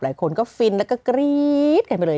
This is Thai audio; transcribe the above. หลายคนก็ฟินแล้วก็กรี๊ดกันไปเลย